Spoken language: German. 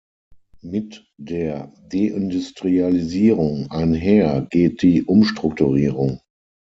Mit der Deindustrialisierung einher geht die Umstrukturierung.